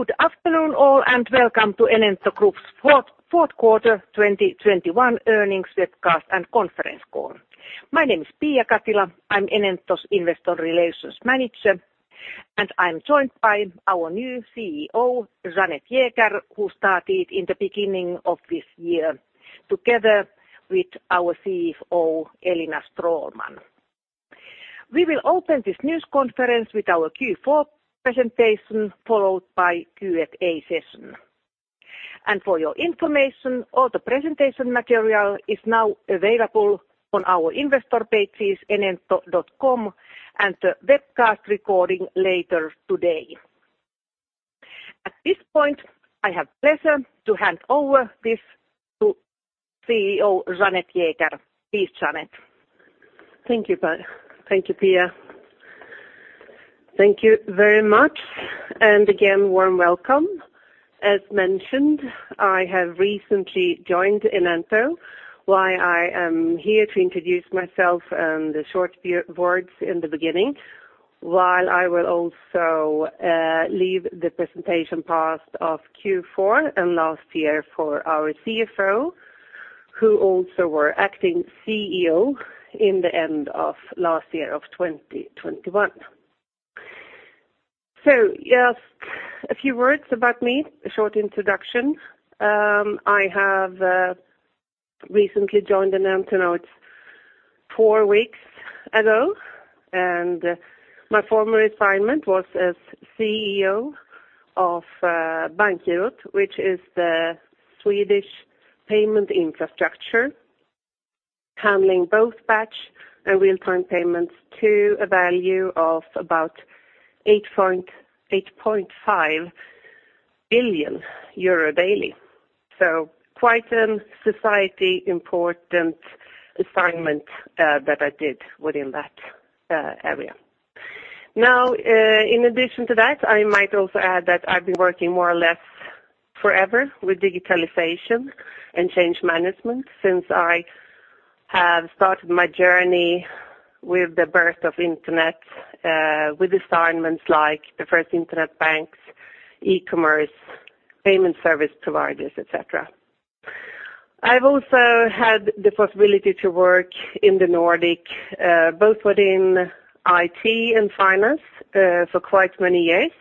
Good afternoon all and welcome to Enento Group's fourth quarter 2021 earnings webcast and conference call. My name is Piia Katila. I'm Enento's Investor Relations Manager, and I'm joined by our new CEO, Jeanette Jäger, who started in the beginning of this year, together with our CFO, Elina Stråhlman. We will open this news conference with our Q4 presentation, followed by Q&A session. For your information, all the presentation material is now available on our investor pages, enento.com, and the webcast recording later today. At this point, I have pleasure to hand over this to CEO Jeanette Jäger. Please, Jeanette. Thank you, Piia. Thank you very much. Again, warm welcome. As mentioned, I have recently joined Enento. I am here to introduce myself in short, few words in the beginning. I will also leave the presentation part of Q4 and last year for our CFO, who also were acting CEO in the end of last year of 2021. Just a few words about me, a short introduction. I have recently joined Enento. Now it's four weeks ago, and my former assignment was as CEO of Bankgirot, which is the Swedish payment infrastructure, handling both batch and real-time payments to a value of about 8.5 billion euro daily. Quite a societally important assignment that I did within that area. Now, in addition to that, I might also add that I've been working more or less forever with digitalization and change management since I have started my journey with the birth of Internet, with assignments like the first Internet banks, e-commerce, payment service providers, et cetera. I've also had the possibility to work in the Nordic, both within IT and finance, for quite many years.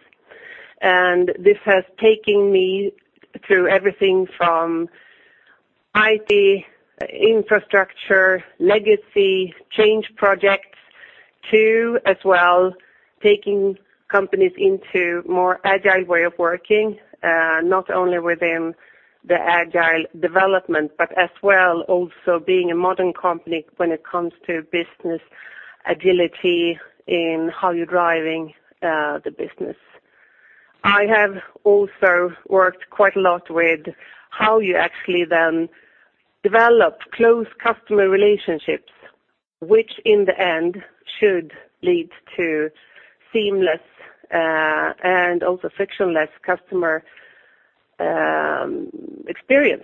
This has taken me through everything from IT infrastructure, legacy change projects to as well taking companies into more agile way of working, not only within the agile development, but as well also being a modern company when it comes to business agility in how you're driving the business. I have also worked quite a lot with how you actually then develop close customer relationships, which in the end should lead to seamless, and also frictionless customer, experience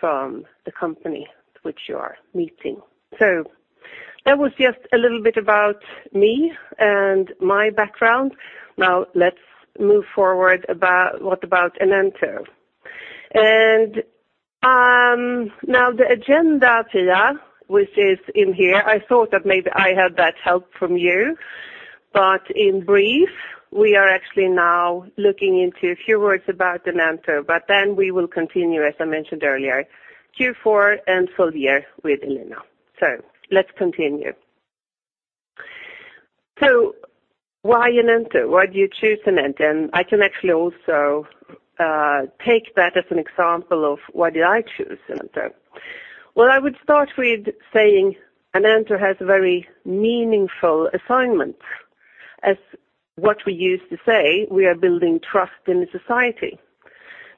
from the company which you are meeting. That was just a little bit about me and my background. Now let's move forward about what about Enento. Now the agenda, Piia, which is in here, I thought that maybe I had that help from you. In brief, we are actually now looking into a few words about Enento, but then we will continue, as I mentioned earlier, Q4 and full-year with Elina. Let's continue. Why Enento? Why do you choose Enento? I can actually also take that as an example of why did I choose Enento. Well, I would start with saying Enento has a very meaningful assignment. As we used to say, we are building trust in the society.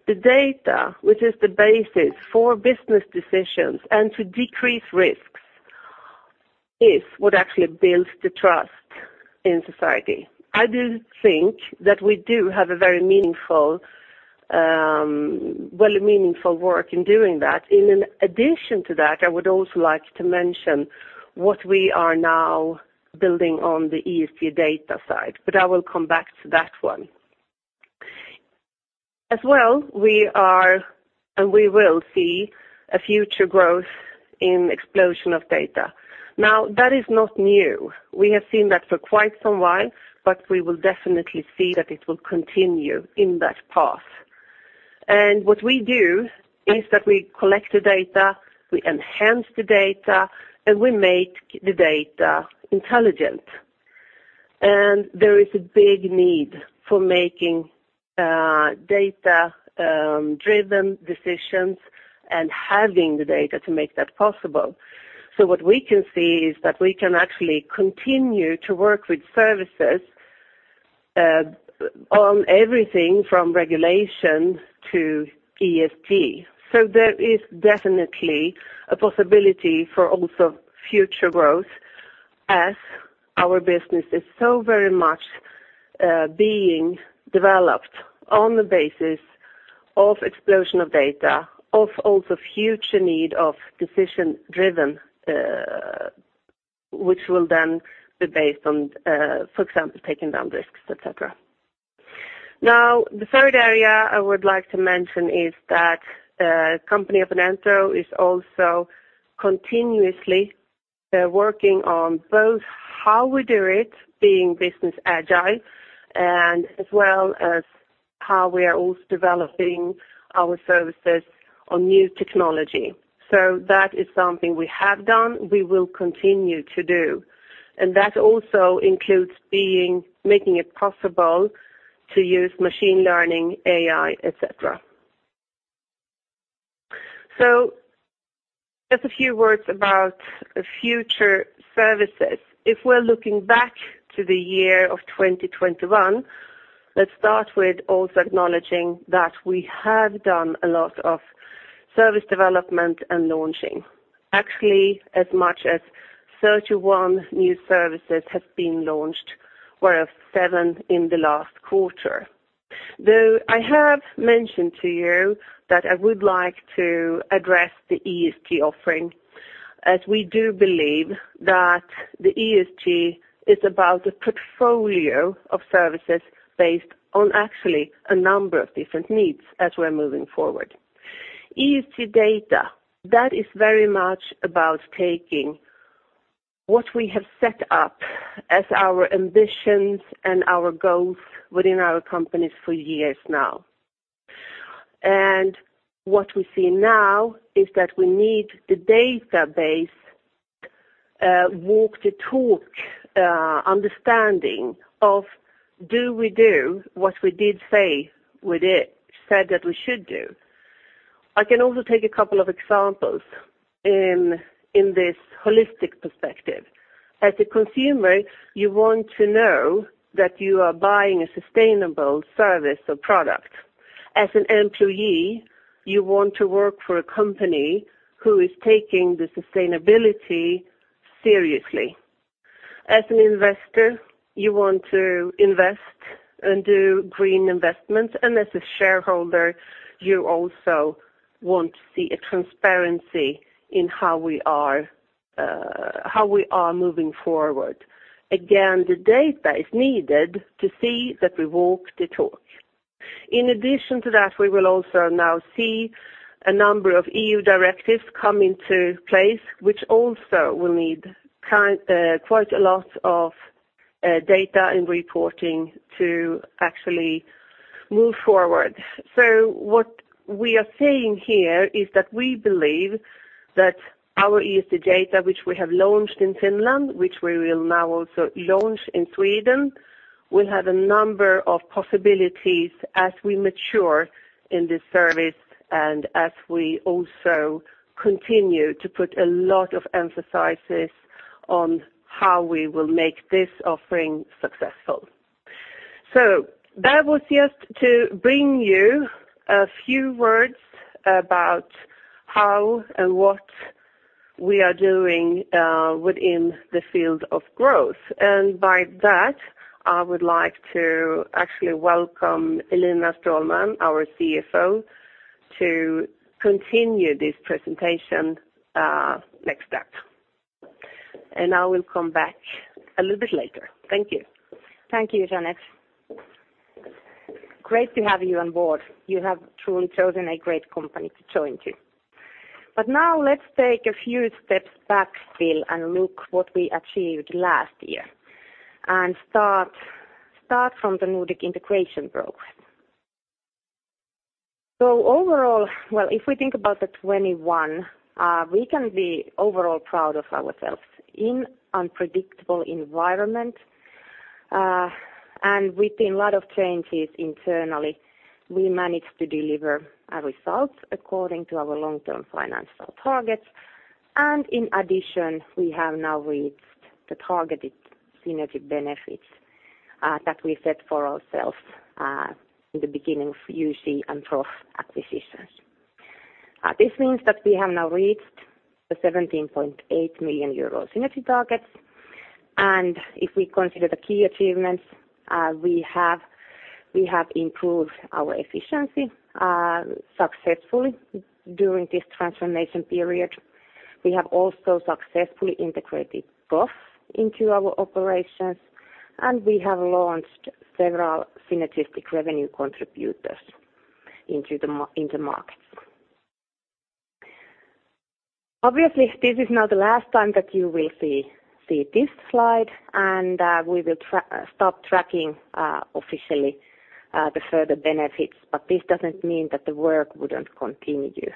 The data, which is the basis for business decisions and to decrease risks, is what actually builds the trust in society. I do think that we do have a very meaningful, well, a meaningful work in doing that. In addition to that, I would also like to mention what we are now building on the ESG data side, but I will come back to that one. As well, we are and we will see a future growth, an explosion of data. Now, that is not new. We have seen that for quite some while, but we will definitely see that it will continue in that path. What we do is that we collect the data, we enhance the data, and we make the data intelligent. There is a big need for making data driven decisions and having the data to make that possible. What we can see is that we can actually continue to work with services on everything from regulation to ESG. There is definitely a possibility for also future growth as our business is so very much being developed on the basis of explosion of data, of also future need of decision-driven, which will then be based on, for example, taking down risks, et cetera. Now, the third area I would like to mention is that the company of Enento is also continuously working on both how we do it, being business agile, and as well as how we are also developing our services on new technology. That is something we have done, we will continue to do. That also includes making it possible to use machine learning, AI, et cetera. Just a few words about future services. If we're looking back to the year of 2021, let's start with also acknowledging that we have done a lot of service development and launching. Actually, as much as 31 new services have been launched, whereas seven in the last quarter. Though I have mentioned to you that I would like to address the ESG offering, as we do believe that the ESG is about a portfolio of services based on actually a number of different needs as we're moving forward. ESG data, that is very much about taking what we have set up as our ambitions and our goals within our company for years now. What we see now is that we need the database, walk the talk, understanding of, do we do what we said we should do? I can also take a couple of examples in this holistic perspective. As a consumer, you want to know that you are buying a sustainable service or product. As an employee, you want to work for a company who is taking the sustainability seriously. As an investor, you want to invest and do green investment. As a shareholder, you also want to see a transparency in how we are moving forward. Again, the data is needed to see that we walk the talk. In addition to that, we will also now see a number of EU directives come into place, which also will need quite a lot of data and reporting to actually move forward. What we are saying here is that we believe that our ESG data, which we have launched in Finland, which we will now also launch in Sweden, will have a number of possibilities as we mature in this service and as we also continue to put a lot of emphasis on how we will make this offering successful. That was just to bring you a few words about how and what we are doing within the field of growth. By that, I would like to actually welcome Elina Stråhlman, our CFO, to continue this presentation next step. I will come back a little bit later. Thank you. Thank you, Jeanette. Great to have you on board. You have truly chosen a great company to join. Now let's take a few steps back still and look what we achieved last year and start from the Nordic integration progress. Overall, if we think about 2021, we can be overall proud of ourselves. In unpredictable environment and with a lot of changes internally, we managed to deliver our results according to our long-term financial targets. In addition, we have now reached the targeted synergistic benefits that we set for ourselves in the beginning of UC and Proff acquisitions. This means that we have now reached the 17.8 million euros synergy targets. If we consider the key achievements, we have improved our efficiency successfully during this transformation period. We have also successfully integrated Proff into our operations, and we have launched several synergistic revenue contributors into the market. Obviously, this is not the last time that you will see this slide, and we will stop tracking officially the further benefits. But this doesn't mean that the work wouldn't continue.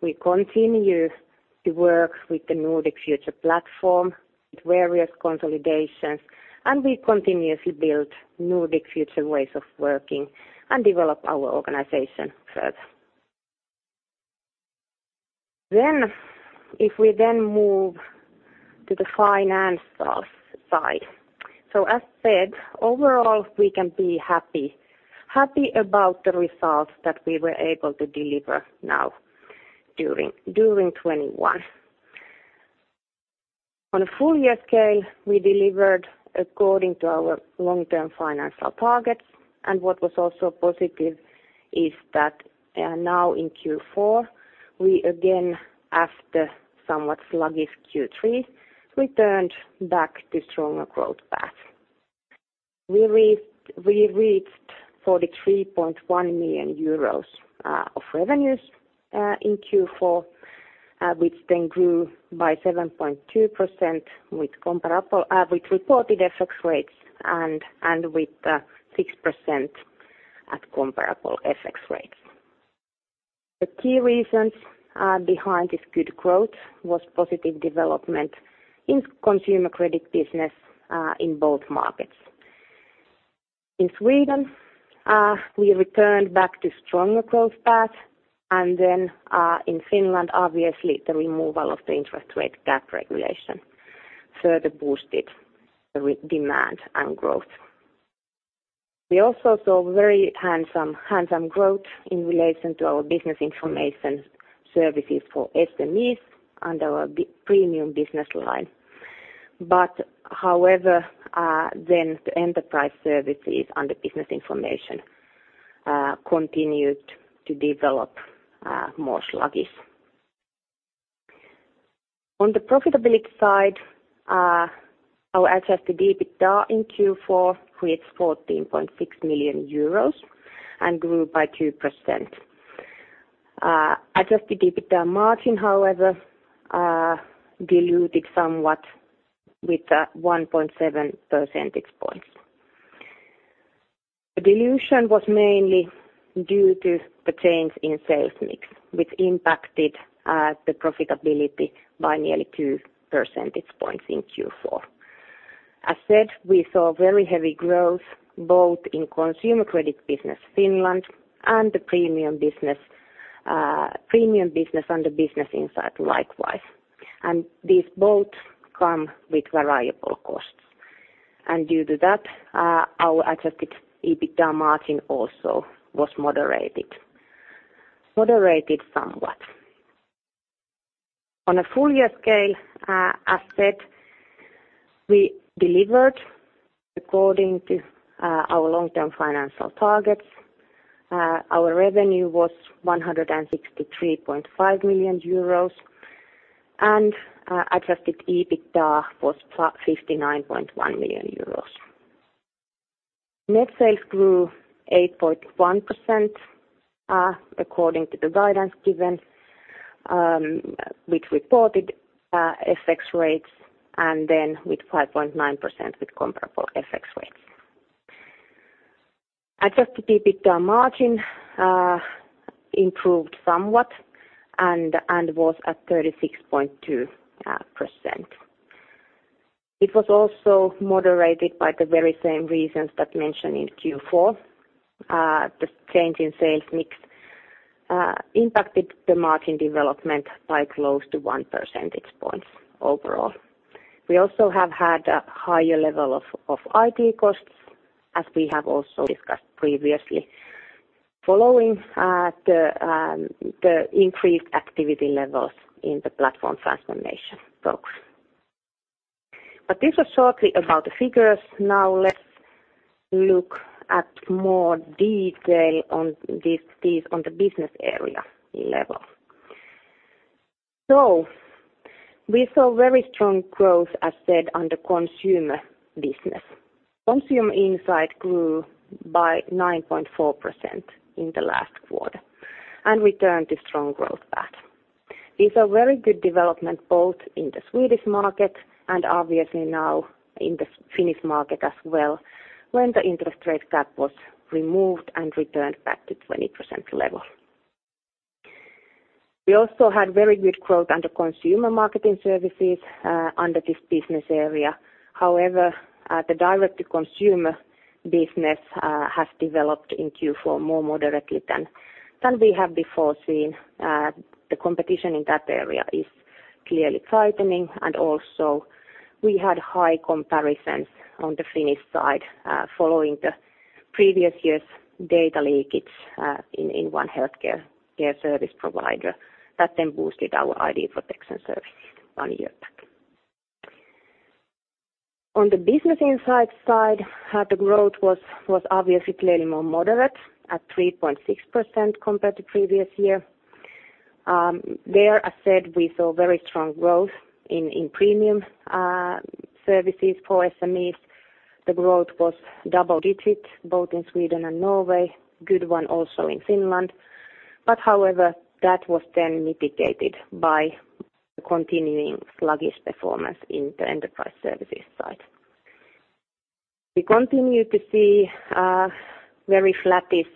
We continue to work with the Nordic future platform, with various consolidations, and we continuously build Nordic future ways of working and develop our organization further. If we then move to the financial side. As said, overall, we can be happy about the results that we were able to deliver now during 2021. On a full-year scale, we delivered according to our long-term financial targets. What was also positive is that now in Q4, we again, after somewhat sluggish Q3, returned back to stronger growth path. We reached 43.1 million euros of revenues in Q4, which then grew by 7.2% with reported FX rates and 6% at comparable FX rates. The key reasons behind this good growth was positive development in consumer credit business in both markets. In Sweden, we returned back to stronger growth path, and then in Finland, obviously the removal of the interest rate cap regulation further boosted the demand and growth. We also saw very handsome growth in relation to our business information services for SMEs and our premium business line. However, then the enterprise services and the business information continued to develop more sluggish. On the profitability side, our adjusted EBITDA in Q4 reached 14.6 million euros and grew by 2%. Adjusted EBITDA margin, however, diluted somewhat with 1.7 percentage points. The dilution was mainly due to the change in sales mix, which impacted the profitability by nearly 2 percentage points in Q4. As said, we saw very heavy growth both in consumer credit business Finland and the premium business and the Business Insight likewise. These both come with variable costs. Due to that, our adjusted EBITDA margin also was moderated somewhat. On a full-year scale, as said, we delivered according to our long-term financial targets. Our revenue was 163.5 million euros, and adjusted EBITDA was 59.1 million euros. Net sales grew 8.1% according to the guidance given, with reported FX rates, and then with 5.9% with comparable FX rates. Adjusted EBITDA margin improved somewhat and was at 36.2%. It was also moderated by the very same reasons that mentioned in Q4. The change in sales mix impacted the margin development by close to one percentage point overall. We also have had a higher level of IT costs, as we have also discussed previously, following the increased activity levels in the Platform Transformation Program. This was shortly about the figures. Now let's look at more detail on this on the business area level. We saw very strong growth, as said, on the consumer business. Consumer Insight grew by 9.4% in the last quarter and returned to strong growth path. These are very good development both in the Swedish market and obviously now in the Finnish market as well, when the interest rate cap was removed and returned back to 20% level. We also had very good growth under consumer marketing services under this business area. However, the direct-to-consumer business has developed in Q4 more moderately than we have before seen. The competition in that area is clearly tightening, and also we had high comparisons on the Finnish side following the previous year's data leakage in one healthcare service provider that then boosted our ID protection services one year back. On the Business Insight side, the growth was obviously clearly more moderate at 3.6% compared to previous year. There, as said, we saw very strong growth in premium services for SMEs. The growth was double digit both in Sweden and Norway, good one also in Finland. However, that was then mitigated by the continuing sluggish performance in the enterprise services side. We continue to see very flattish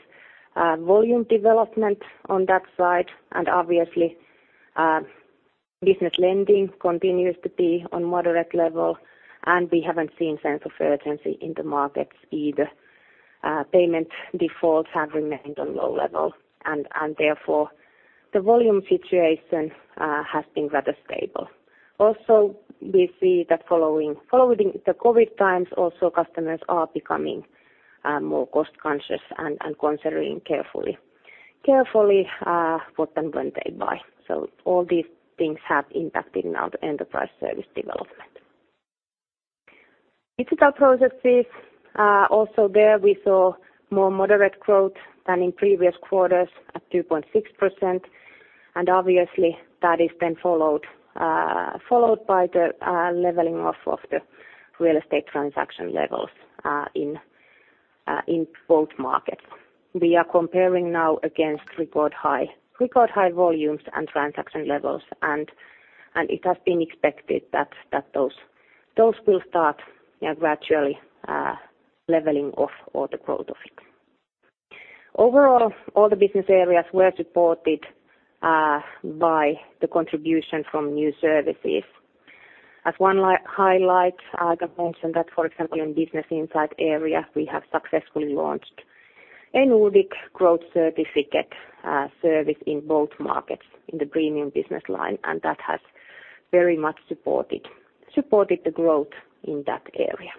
volume development on that side, and obviously business lending continues to be on moderate level, and we haven't seen sense of urgency in the markets either. Payment defaults have remained on low level and therefore the volume situation has been rather stable. We see that following the COVID times also customers are becoming more cost conscious and considering carefully what and when they buy. All these things have impacted now the enterprise service development. Digital Processes also there we saw more moderate growth than in previous quarters at 2.6%. Obviously that is then followed by the leveling off of the real estate transaction levels in both markets. We are comparing now against record high volumes and transaction levels. It has been expected that those will start gradually leveling off or the growth of it. Overall, all the business areas were supported by the contribution from new services. As one highlight, I can mention that, for example, in Business Insight area, we have successfully launched a Nordic Growth Certificate service in both markets in the premium business line, and that has very much supported the growth in that area.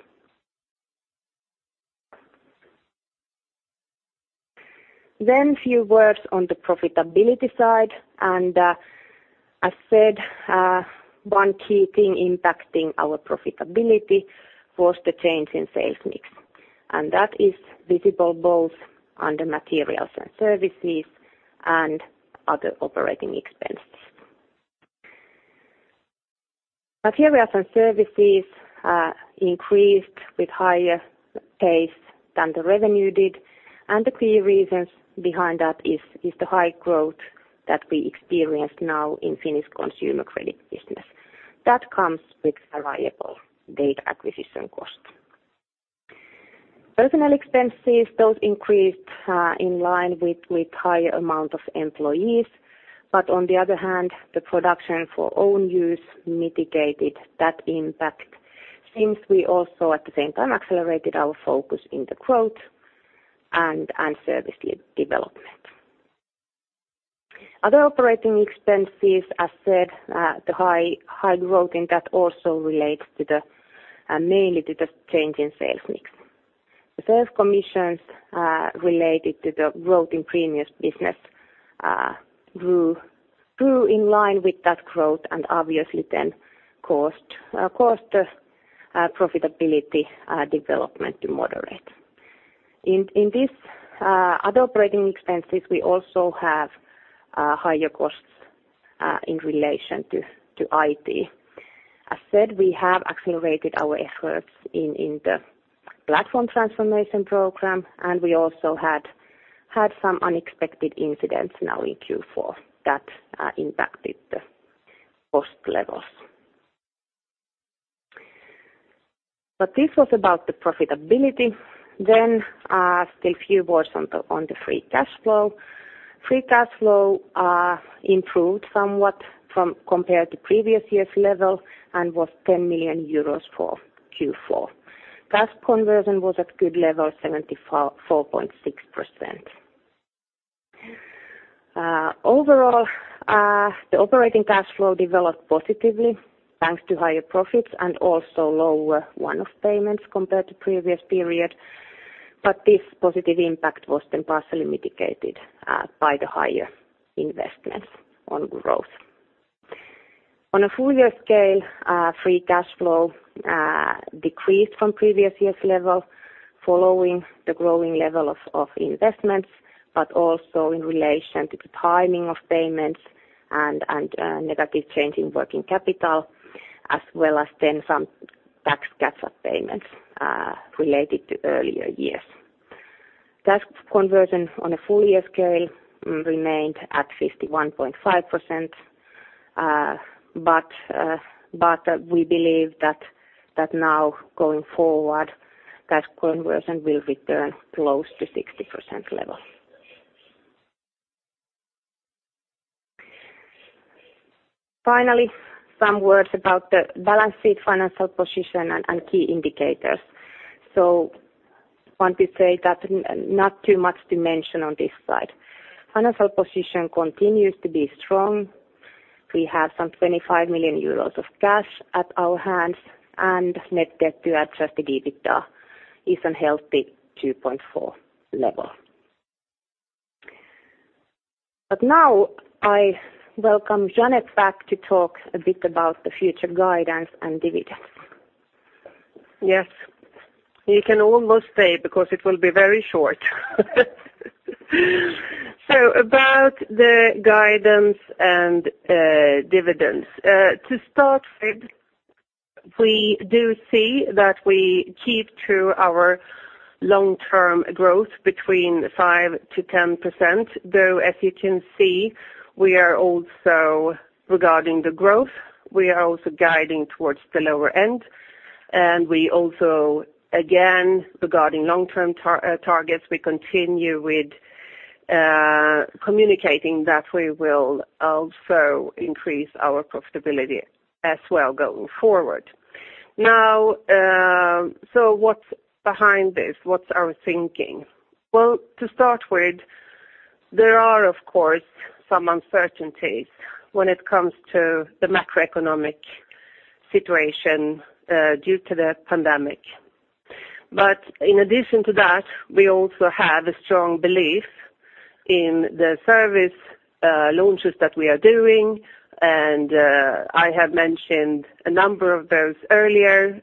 Few words on the profitability side. As said, one key thing impacting our profitability was the change in sales mix, and that is visible both under materials and services and other operating expenses. Materials and services increased with higher pace than the revenue did. The key reasons behind that is the high growth that we experience now in Finnish consumer credit business. That comes with variable data acquisition cost. Personnel expenses, those increased in line with high amount of employees. On the other hand, the production for own use mitigated that impact since we also at the same time accelerated our focus in the growth and service development. Other operating expenses, as said, the high growth in that also relates mainly to the change in sales mix. The sales commissions related to the growth in premiums business grew in line with that growth and obviously then caused the profitability development to moderate. In this other operating expenses, we also have higher costs in relation to IT. As said, we have accelerated our efforts in the Platform Transformation Program, and we also had some unexpected incidents now in Q4 that impacted the cost levels. This was about the profitability. A few words on the free cash flow. Free cash flow improved somewhat compared to previous year's level and was 10 million euros for Q4. Cash conversion was at good level, 74.6%. Overall, the operating cash flow developed positively thanks to higher profits and also lower one-off payments compared to previous period. This positive impact was then partially mitigated by the higher investments on growth. On a full-year scale, free cash flow decreased from previous year's level following the growing level of investments, but also in relation to the timing of payments and negative change in working capital, as well as then some tax catch-up payments related to earlier years. Cash conversion on a full-year scale remained at 51.5%. We believe that now going forward, cash conversion will return close to 60% level. Finally, some words about the balance sheet, financial position and key indicators. Want to say that not too much to mention on this slide. Financial position continues to be strong. We have some 25 million euros of cash at our hands, and net debt to adjusted EBITDA is under 2.4 level. Now I welcome Jeanette Jäger back to talk a bit about the future guidance and dividends. Yes, you can almost say because it will be very short. About the guidance and dividends. To start with, we do see that we keep to our long-term growth between 5%-10%, though, as you can see, we are also regarding the growth, we are also guiding towards the lower end, and, again, regarding long-term targets, we continue with communicating that we will also increase our profitability as well going forward. Now, what's behind this? What's our thinking? Well, to start with, there are, of course, some uncertainties when it comes to the macroeconomic situation, due to the pandemic. In addition to that, we also have a strong belief in the service launches that we are doing, and I have mentioned a number of those earlier,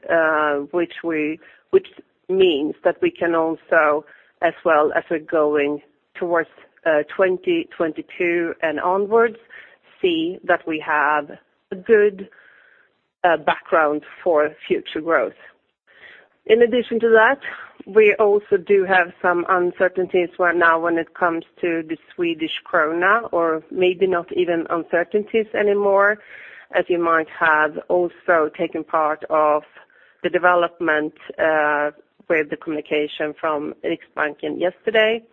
which means that we can also, as well as we're going towards 2022 and onwards, see that we have a good background for future growth. In addition to that, we also do have some uncertainties where now when it comes to the Swedish krona or maybe not even uncertainties anymore, as you might have also taken part of the development with the communication from Riksbanken yesterday.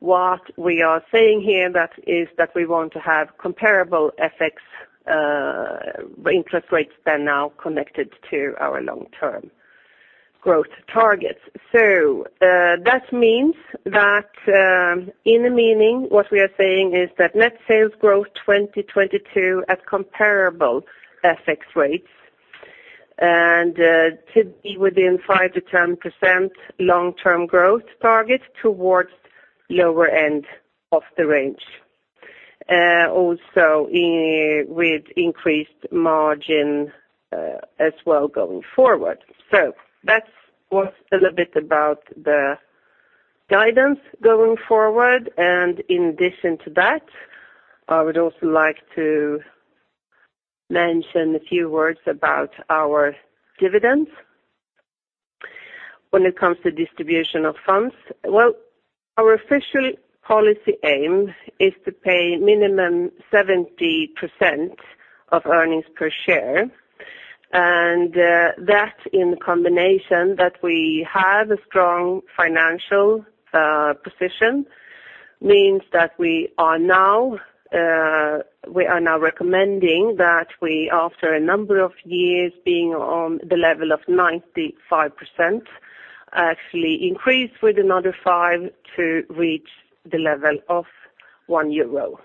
What we are saying here that is that we want to have comparable FX interest rates that are now connected to our long-term growth targets. That means that, in essence, what we are saying is that net sales growth 2022 at comparable FX rates and to be within 5%-10% long-term growth target towards lower end of the range. Also with increased margin as well going forward. That was a little bit about the guidance going forward. In addition to that, I would also like to mention a few words about our dividends. When it comes to distribution of funds, well, our official policy aim is to pay minimum 70% of earnings per share, and that in combination we have a strong financial position means that we are now recommending that we after a number of years being on the level of 95%, actually increase with another five to reach the level of 1 euro.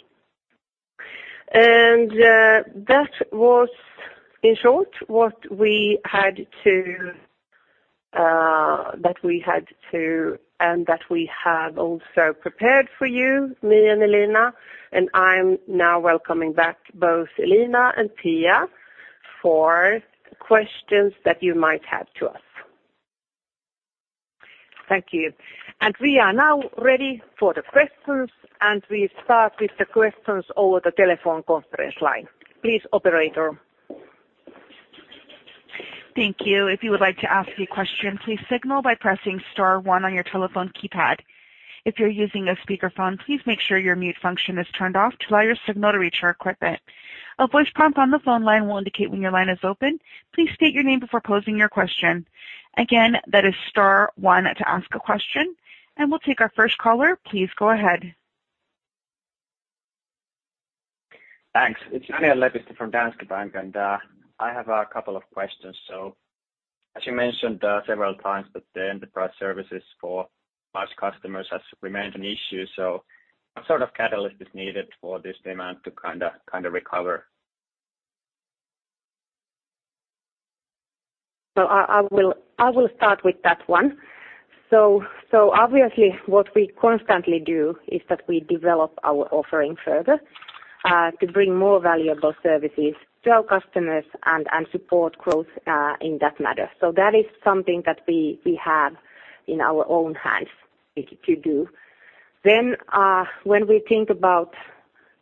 That was in short what we had to and that we have also prepared for you, me and Elina. I'm now welcoming back both Elina and Pia for questions that you might have to us. Thank you. We are now ready for the questions, and we start with the questions over the telephone conference line. Please, operator. Thank you. If you would like to ask a question, please signal by pressing Star one on your telephone keypad. If you're using a speakerphone, please make sure your mute function is turned off to allow your signal to reach our equipment. A voice prompt on the phone line will indicate when your line is open. Please state your name before posing your question. Again, that is Star one to ask a question, and we'll take our first caller. Please go ahead. Thanks. It's Daniel Lepistö from Danske Bank, and I have a couple of questions. As you mentioned several times that the Enterprise Solutions for large customers has remained an issue, so what sort of catalyst is needed for this demand to kinda recover? I will start with that one. Obviously what we constantly do is that we develop our offering further to bring more valuable services to our customers and support growth in that matter. That is something that we have in our own hands to do. When we think about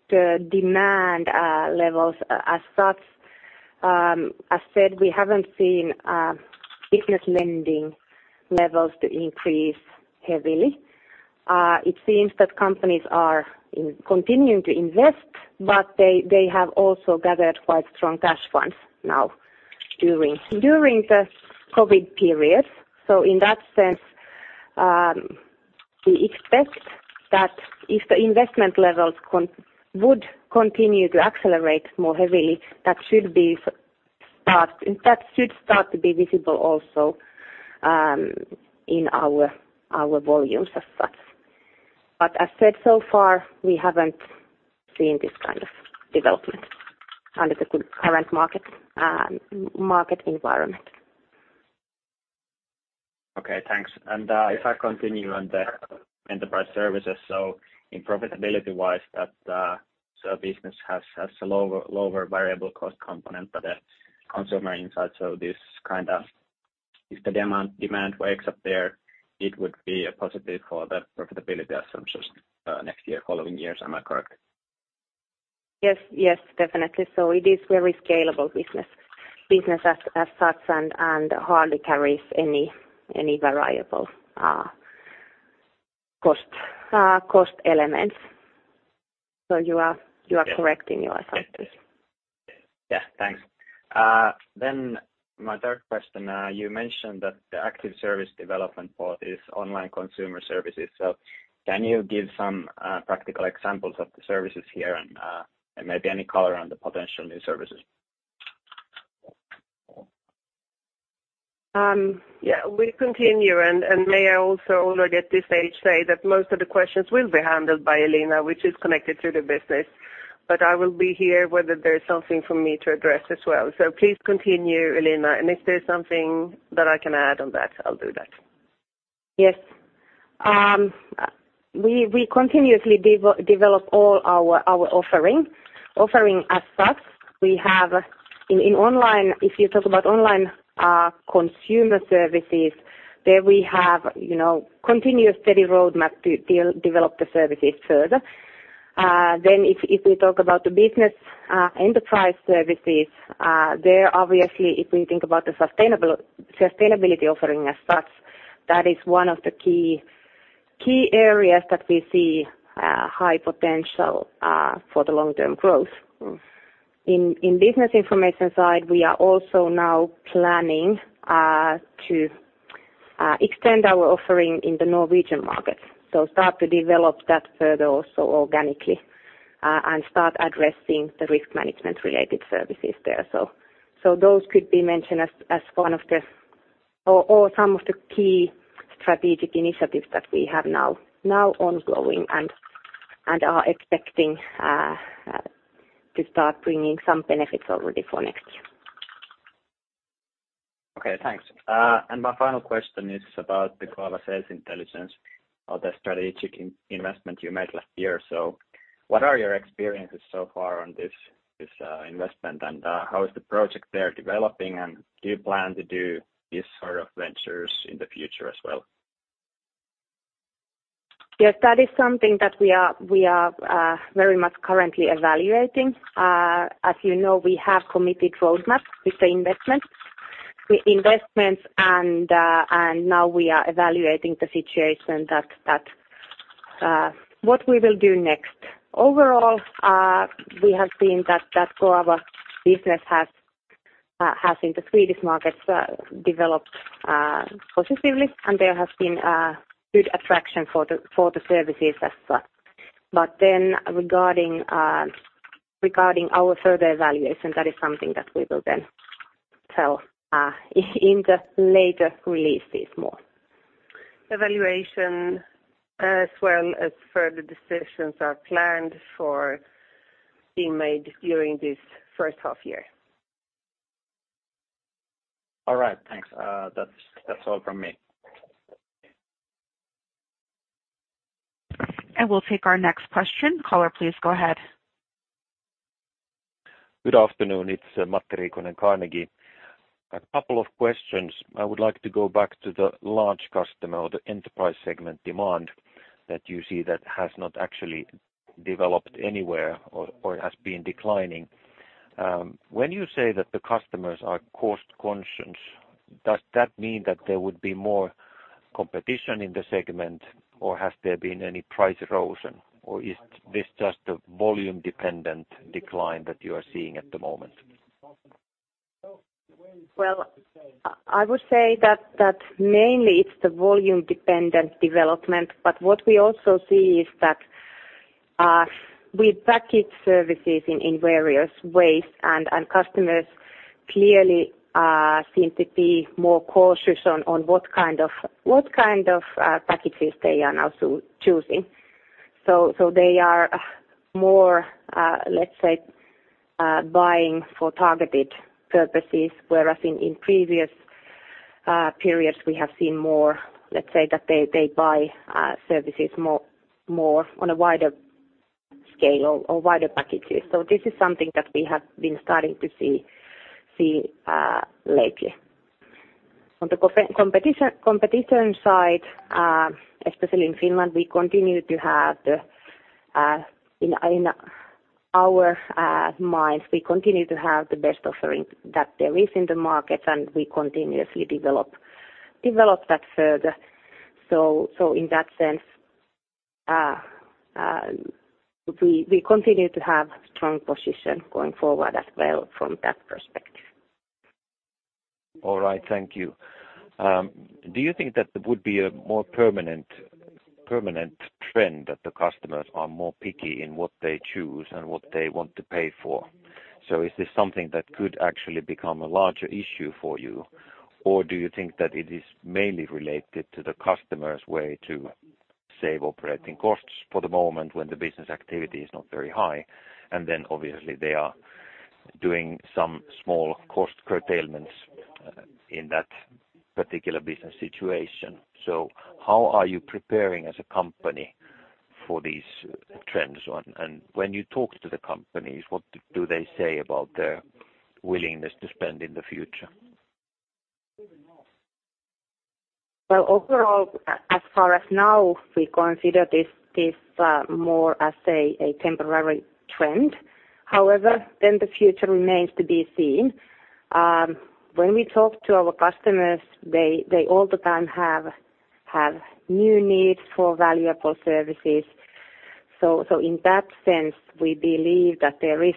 the demand levels as such, as said, we haven't seen business lending levels to increase heavily. It seems that companies are continuing to invest, but they have also gathered quite strong cash funds now during the COVID period. In that sense, we expect that if the investment levels would continue to accelerate more heavily, that should start to be visible also in our volumes as such. As said, so far, we haven't seen this kind of development under the good current market environment. Okay, thanks. If I continue on the Enterprise Solutions, in profitability-wise, that business has a lower variable cost component for the Consumer Insight. This kind of if the demand wakes up there, it would be a positive for the profitability assumptions, next year, following years. Am I correct? Yes. Yes, definitely. It is very scalable business as such, and hardly carries any variable cost elements. You are correct in your assumptions. Yes. Yes. Thanks. My third question, you mentioned that the active service development for this online consumer services, so can you give some practical examples of the services here and maybe any color on the potential new services? Yeah, we continue. May I also already at this stage say that most of the questions will be handled by Elina, which is connected to the business. I will be here whether there is something for me to address as well. Please continue, Elina, and if there's something that I can add on that, I'll do that. Yes, we continuously develop all our offering as such. We have in online, if you talk about online, consumer services, there we have, you know, continuous steady roadmap to develop the services further. If we talk about the business, Enterprise Solutions, there obviously, if we think about the sustainability offering as such, that is one of the key areas that we see high potential for the long-term growth. In business information side, we are also now planning to extend our offering in the Norwegian market. Start to develop that further also organically and start addressing the risk management-related services there. Those could be mentioned as some of the key strategic initiatives that we have now ongoing and are expecting to start bringing some benefits already for next year. Okay, thanks. My final question is about the global sales intelligence or the strategic investment you made last year. What are your experiences so far on this investment and how is the project there developing, and do you plan to do this sort of ventures in the future as well? Yes. That is something that we are very much currently evaluating. As you know, we have committed roadmap with the investment, with investments and now we are evaluating the situation that what we will do next. Overall, we have seen that Goava business has in the Swedish markets developed positively, and there has been good attraction for the services as such. Regarding our further evaluation, that is something that we will then tell in the later releases more. Evaluation as well as further decisions are planned for being made during this first half year. All right. Thanks. That's all from me. We'll take our next question. Caller, please go ahead. Good afternoon, it's Matti Riikonen, Carnegie. A couple of questions. I would like to go back to the large customer or the enterprise segment demand that you see that has not actually developed anywhere or has been declining. When you say that the customers are cost-conscious, does that mean that there would be more competition in the segment, or has there been any price erosion, or is this just a volume-dependent decline that you are seeing at the moment? Well, I would say that mainly it's the volume-dependent development. What we also see is that we package services in various ways and customers clearly seem to be more cautious on what kind of packages they are now choosing. They are more, let's say, buying for targeted purposes, whereas in previous periods we have seen more, let's say that they buy services more on a wider scale or wider packages. This is something that we have been starting to see lately. On the competition side, especially in Finland, we continue to have, in our minds, the best offering that there is in the market, and we continuously develop that further. In that sense, we continue to have strong position going forward as well from that perspective. All right. Thank you. Do you think that there would be a more permanent trend that the customers are more picky in what they choose and what they want to pay for? Is this something that could actually become a larger issue for you? Or do you think that it is mainly related to the customer's way to save operating costs for the moment when the business activity is not very high, and then obviously they are doing some small cost curtailments in that particular business situation. How are you preparing as a company for these trends? And when you talk to the companies, what do they say about their willingness to spend in the future? Well, overall, as of now, we consider this more as a temporary trend. However, the future remains to be seen. When we talk to our customers, they all the time have new needs for valuable services. In that sense, we believe that there is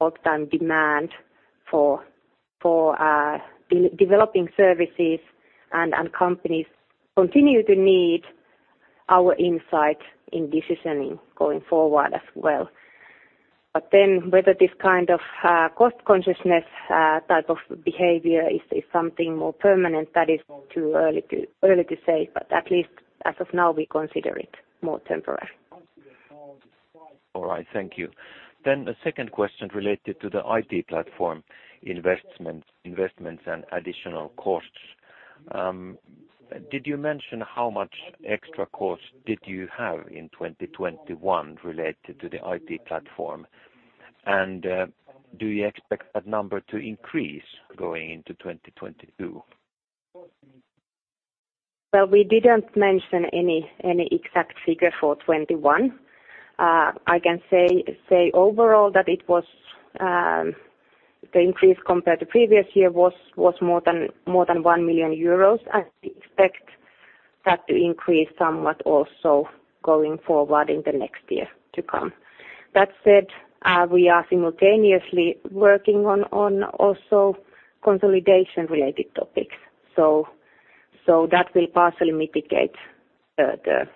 all the time demand for developing services and companies continue to need our insight in decisioning going forward as well. Then whether this kind of cost-consciousness type of behavior is something more permanent, that is too early to say, but at least as of now, we consider it more temporary. All right. Thank you. The second question related to the IT platform investments and additional costs. Did you mention how much extra costs did you have in 2021 related to the IT platform? And do you expect that number to increase going into 2022? Well, we didn't mention any exact figure for 2021. I can say overall that it was the increase compared to previous year was more than 1 million euros, and we expect that to increase somewhat also going forward in the next year to come. That said, we are simultaneously working on also consolidation related topics. That will partially mitigate the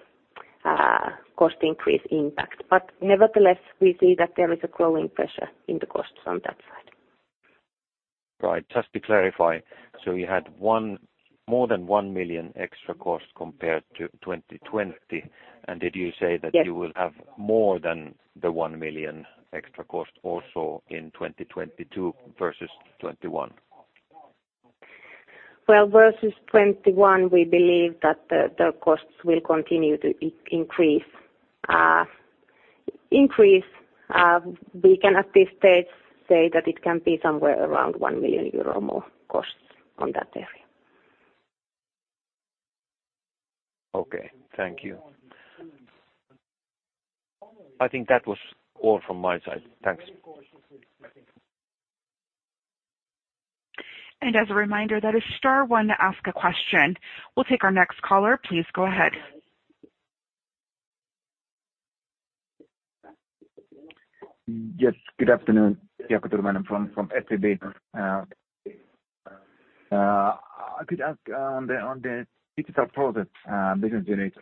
cost increase impact. Nevertheless, we see that there is a growing pressure in the costs on that side. Right. Just to clarify, so you had more than 1 million extra costs compared to 2020. Did you say that? Yes. You will have more than the 1 million extra cost also in 2022 versus 2021? Well, versus 2021, we believe that the costs will continue to increase. We can at this stage say that it can be somewhere around 1 million euro more costs on that area. Okay. Thank you. I think that was all from my side. Thanks. As a reminder, that is Star one to ask a question. We'll take our next caller. Please go ahead. Yes, good afternoon. Jaakko Tyrväinen from SEB. I could ask on the digital product business unit,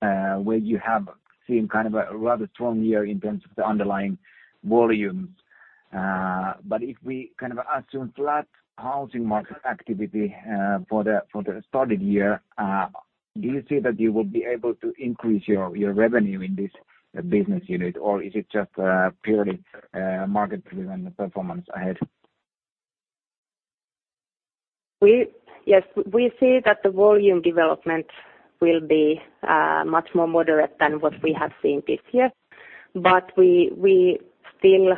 where you have seen kind of a rather strong year in terms of the underlying volumes. If we kind of assume flat housing market activity for the starting year, do you see that you would be able to increase your revenue in this business unit? Or is it just purely market-driven performance ahead? We see that the volume development will be much more moderate than what we have seen this year. We still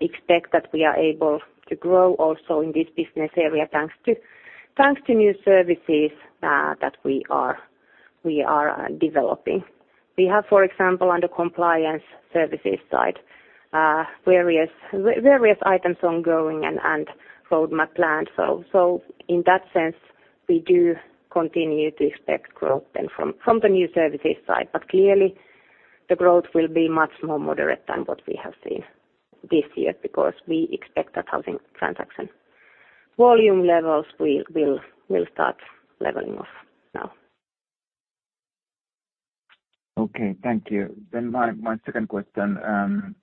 expect that we are able to grow also in this business area, thanks to new services that we are developing. We have, for example, under compliance services side, various items ongoing and roadmap planned. In that sense, we do continue to expect growth then from the new services side. Clearly the growth will be much more moderate than what we have seen this year, because we expect that housing transaction volume levels will start leveling off now. Okay, thank you. My second question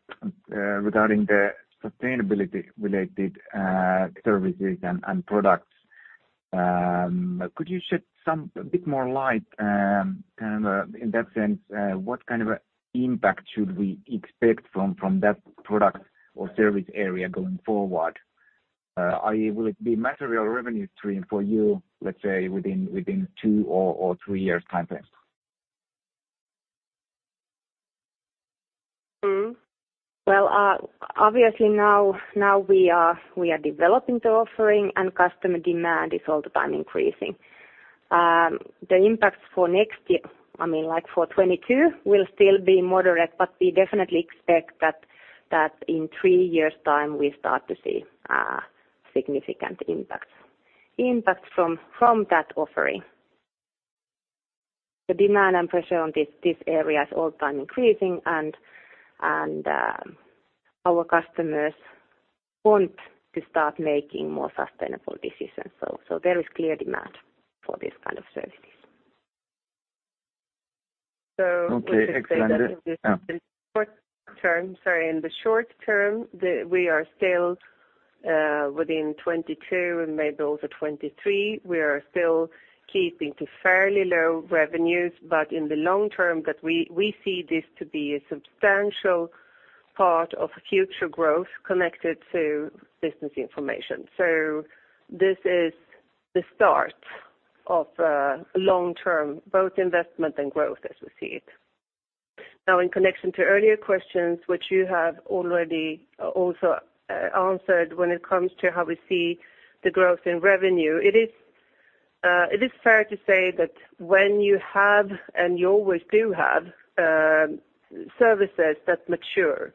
regarding the sustainability related services and products. Could you shed a bit more light kind of in that sense, what kind of impact should we expect from that product or service area going forward? Will it be material revenue stream for you, let's say within two or three years time frame? Well, obviously now we are developing the offering and customer demand is all the time increasing. The impact for next year, I mean, like for 2022 will still be moderate, but we definitely expect that in three years' time we start to see significant impacts from that offering. The demand and pressure on this area is all the time increasing and our customers want to start making more sustainable decisions. There is clear demand for this kind of services. So Sorry. In the short term, we are still within 2022 and maybe also 2023, we are still keeping to fairly low revenues. In the long-term that we see this to be a substantial part of future growth connected to business information. This is the start of long-term, both investment and growth as we see it. Now in connection to earlier questions which you have already also answered when it comes to how we see the growth in revenue, it is fair to say that when you have, and you always do have, services that mature,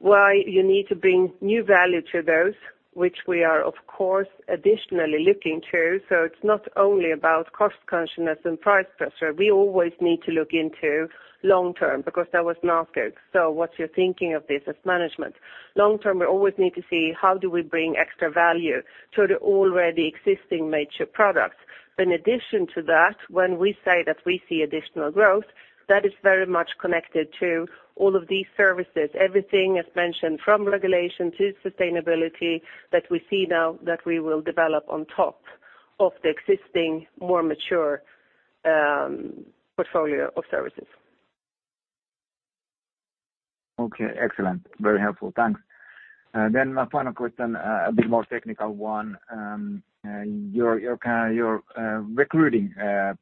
well, you need to bring new value to those which we are of course additionally looking to. It's not only about cost consciousness and price pressure. We always need to look into long-term, because that was asked here. What you're thinking of this as management. Long-term, we always need to see how do we bring extra value to the already existing mature products. In addition to that, when we say that we see additional growth, that is very much connected to all of these services. Everything as mentioned, from regulation to sustainability that we see now that we will develop on top of the existing more mature portfolio of services. Okay, excellent. Very helpful. Thanks. My final question, a bit more technical one. Your recruiting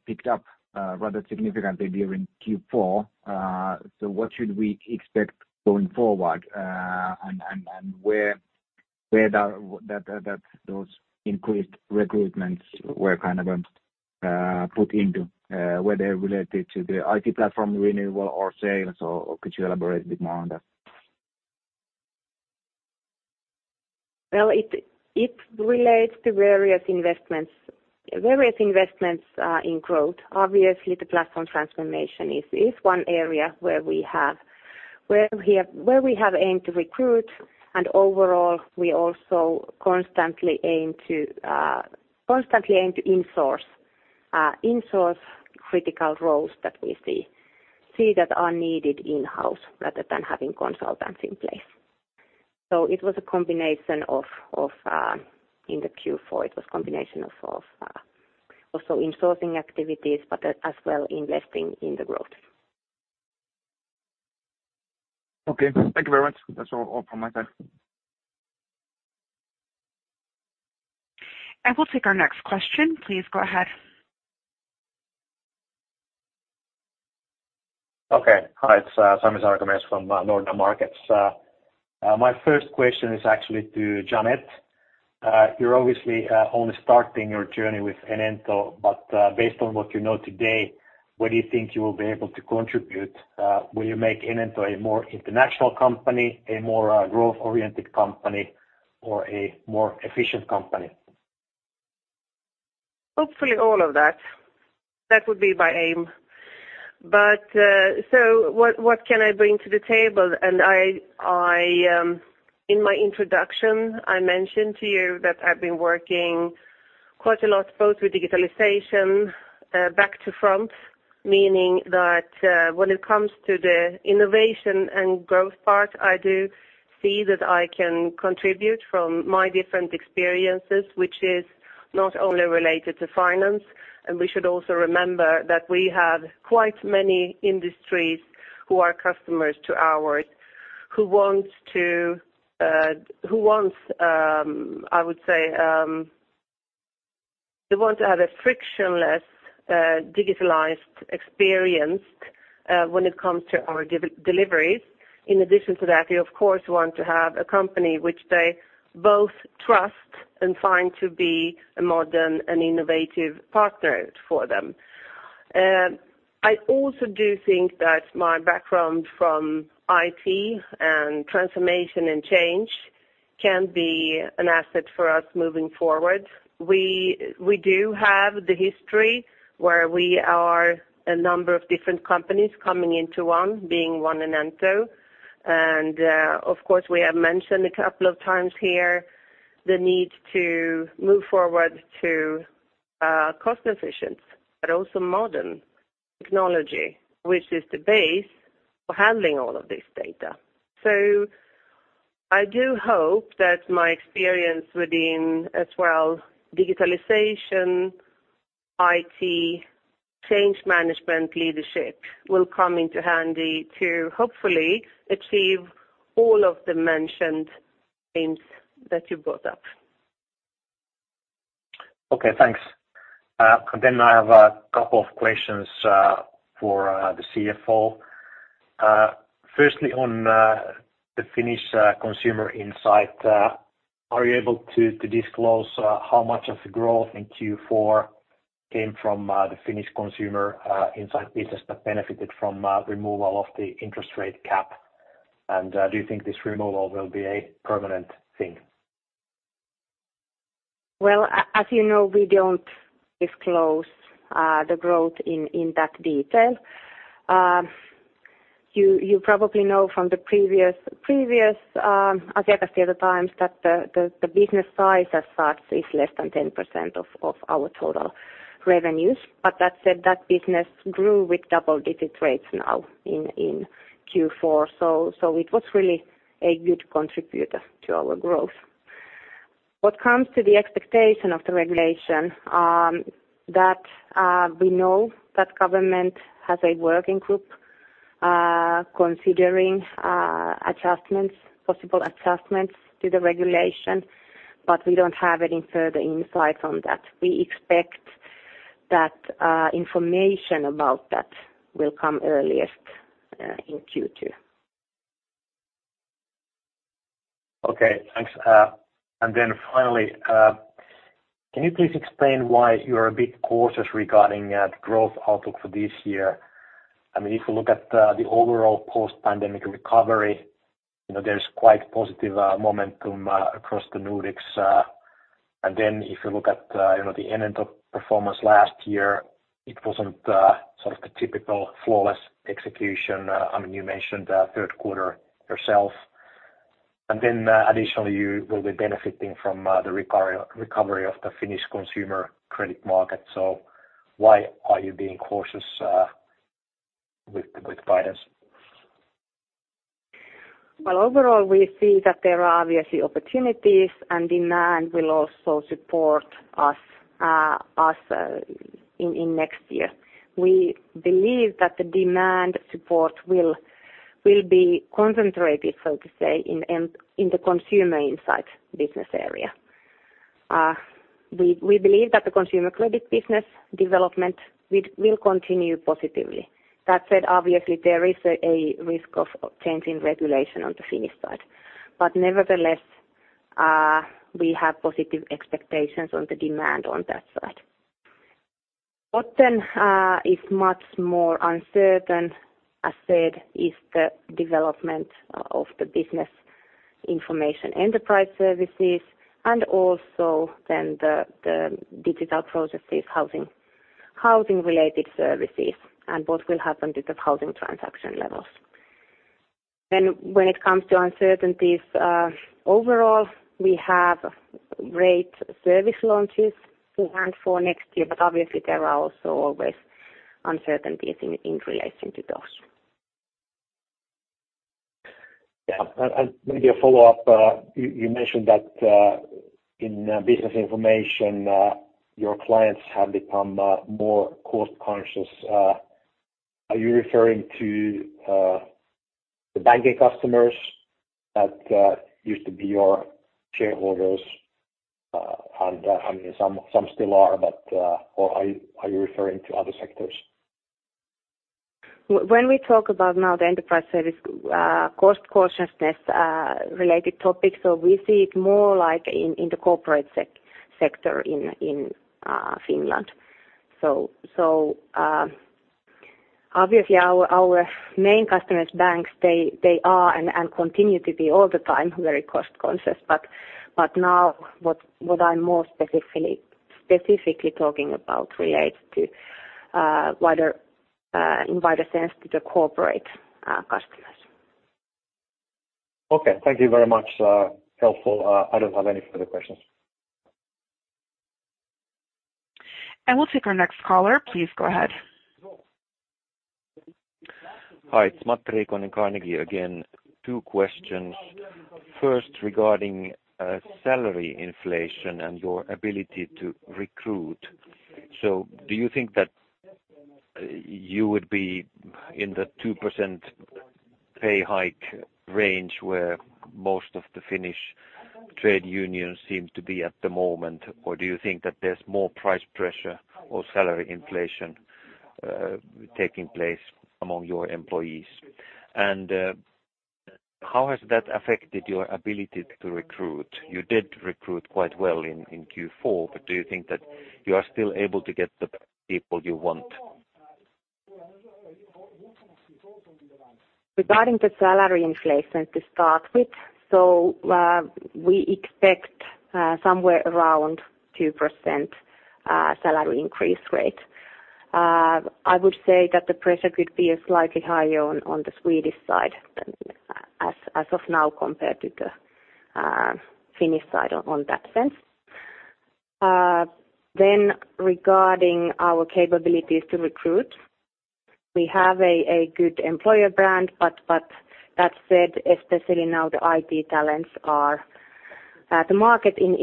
picked up rather significantly during Q4. What should we expect going forward? Where those increased recruitments were kind of put into, were they related to the IT platform renewal or sales or could you elaborate a bit more on that? Well, it relates to various investments in growth. Obviously, the Platform Transformation is one area where we have aimed to recruit. Overall, we also constantly aim to insource critical roles that we see that are needed in-house rather than having consultants in place. It was a combination of insourcing activities in Q4, but as well investing in the growth. Okay, thank you very much. That's all from my side. We'll take our next question. Please go ahead. Okay. Hi, it's Sami Sarkamies from Nordea Markets. My first question is actually to Jeanette. You're obviously only starting your journey with Enento, but based on what you know today, what do you think you will be able to contribute? Will you make Enento a more international company, a more growth-oriented company, or a more efficient company? Hopefully all of that. That would be my aim. What can I bring to the table? In my introduction, I mentioned to you that I've been working quite a lot, both with digitalization, back to front, meaning that, when it comes to the innovation and growth part, I do see that I can contribute from my different experiences, which is not only related to finance. We should also remember that we have quite many industries who are customers of ours, who want, I would say, they want to have a frictionless, digitalized experience, when it comes to our deliveries. In addition to that, they of course want to have a company which they both trust and find to be a modern and innovative partner for them. I also do think that my background from IT and transformation and change can be an asset for us moving forward. We do have the history where we are a number of different companies coming into one, being one Enento. Of course, we have mentioned a couple of times here the need to move forward to cost efficient, but also modern technology, which is the base for handling all of this data. I do hope that my experience within as well, digitalization, IT, change management leadership will come into handy to hopefully achieve all of the mentioned things that you brought up. Okay, thanks. I have a couple of questions for the CFO. Firstly, on the Finnish Consumer Insight, are you able to disclose how much of the growth in Q4 came from the Finnish Consumer Insight business that benefited from removal of the interest rate cap? Do you think this removal will be a permanent thing? Well, as you know, we don't disclose the growth in that detail. You probably know from the previous Asiakastieto times that the business size as such is less than 10% of our total revenues. That said, that business grew with double-digit rates now in Q4. It was really a good contributor to our growth. What comes to the expectation of the regulation, we know that government has a working group considering adjustments, possible adjustments to the regulation, but we don't have any further insight on that. We expect that information about that will come earliest in Q2. Okay, thanks. Finally, can you please explain why you are a bit cautious regarding the growth outlook for this year? I mean, if you look at the overall post-pandemic recovery, you know, there's quite positive momentum across the Nordics. If you look at, you know, the Enento performance last year, it wasn't sort of the typical flawless execution. I mean, you mentioned third quarter yourself. Additionally, you will be benefiting from the recovery of the Finnish consumer credit market. Why are you being cautious with guidance? Well, overall, we see that there are obviously opportunities and demand will also support us in next year. We believe that the demand support will be concentrated, so to say, in the Consumer Insight business area. We believe that the consumer credit business development will continue positively. That said, obviously there is a risk of changing regulation on the Finnish side. Nevertheless, we have positive expectations on the demand on that side. What is much more uncertain, as said, is the development of the business information Enterprise Solutions and also the Digital Processes housing-related services and what will happen to the housing transaction levels. When it comes to uncertainties, overall, we have great service launches planned for next year, but obviously there are also always uncertainties in relating to those. Yeah. Maybe a follow-up. You mentioned that in business information your clients have become more cost-conscious. Are you referring to the banking customers that used to be your shareholders, and I mean, some still are, but or are you referring to other sectors? When we talk about now the enterprise service, cost consciousness, related topics, so we see it more like in the corporate sector in Finland. Obviously our main customers, banks, they are and continue to be all the time very cost-conscious. Now what I'm more specifically talking about relates to, in wider sense, to the corporate customers. Okay. Thank you very much. Helpful. I don't have any further questions. We'll take our next caller. Please go ahead. Hi, it's Matti Riikonen in Carnegie again, two questions. First, regarding salary inflation and your ability to recruit. Do you think that you would be in the 2% pay hike range where most of the Finnish trade unions seem to be at the moment, or do you think that there's more price pressure or salary inflation taking place among your employees? And how has that affected your ability to recruit? You did recruit quite well in Q4, but do you think that you are still able to get the people you want? Regarding the salary inflation to start with, we expect somewhere around 2% salary increase rate. I would say that the pressure could be slightly higher on the Swedish side than as of now compared to the Finnish side in that sense. Regarding our capabilities to recruit, we have a good employer brand, but that said, especially now the IT talents are at the market in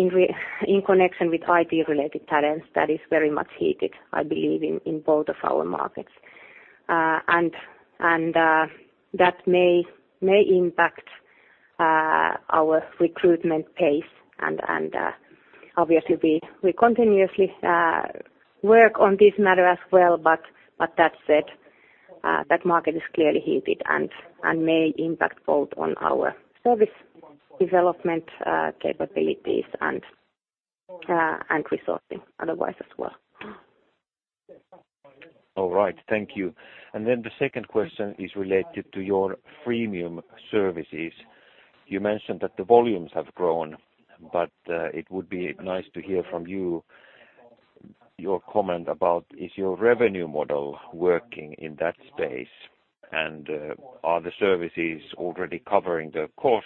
connection with IT-related talents, that is very much heated, I believe, in both of our markets. That may impact our recruitment pace and obviously we continuously work on this matter as well. That said, that market is clearly heated and may impact both on our service development capabilities and resourcing otherwise as well. All right. Thank you. The second question is related to your Premium services. You mentioned that the volumes have grown, but it would be nice to hear from you your comment about is your revenue model working in that space, and are the services already covering the cost,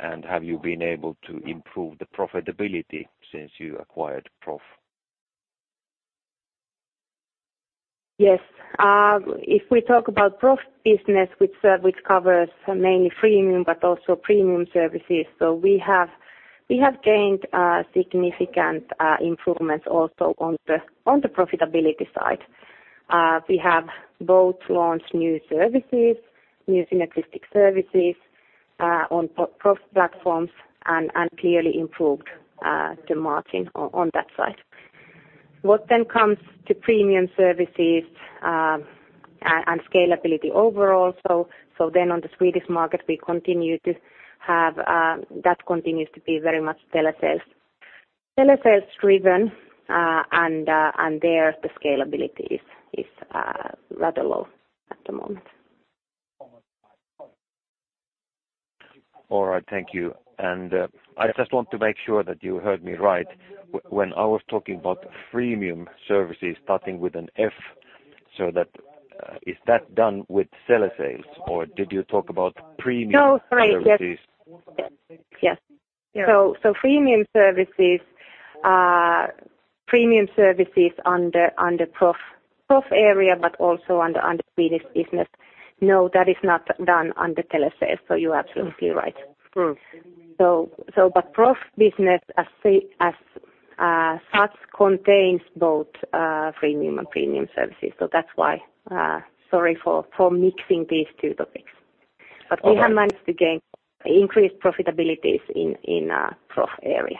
and have you been able to improve the profitability since you acquired Proff? Yes. If we talk about Proff business which covers mainly freemium but also premium services, we have gained significant improvements also on the profitability side. We have both launched new services, new synergistic services on Proff platforms and clearly improved the margin on that side. What comes to premium services and scalability overall, then on the Swedish market, we continue to have that continues to be very much telesales driven, and there the scalability is rather low at the moment. All right. Thank you. I just want to make sure that you heard me right. When I was talking about premium services starting with an F, so that is that done with telesales, or did you talk about premium- No. Sorry. Yes. -services? Yes. Premium services are premium services under Proff area but also under Swedish business. No, that is not done under telesales. You're absolutely right. Mm-hmm. Proff business as such contains both freemium and premium services. That's why, sorry for mixing these two topics. All right. We have managed to gain increased profitability in Proff area.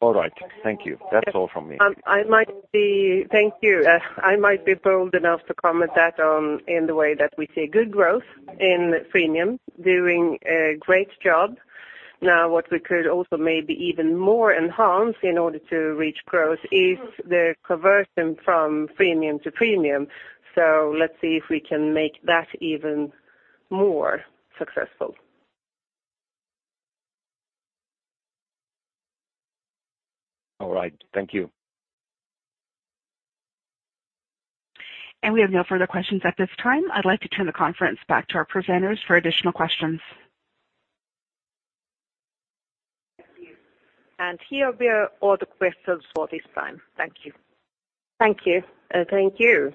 All right. Thank you. That's all from me. I might be bold enough to comment on that in the way that we see good growth in Freemium doing a great job. Now, what we could also maybe even more enhance in order to reach growth is the conversion from Freemium to Premium. Let's see if we can make that even more successful. All right. Thank you. We have no further questions at this time. I'd like to turn the conference back to our presenters for additional questions. Thank you. Here were all the questions for this time. Thank you. Thank you. Thank you.